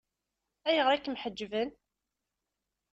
Ayɣer i kem-ḥeǧben?